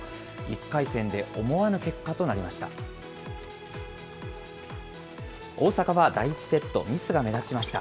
１回戦で思わぬ結果となりました。